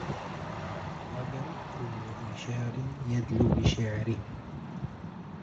غدا كل ذي شعر يدل بشعره